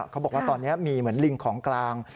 เขาบอกว่าตอนนี้มีเหมือนลิงของกลาง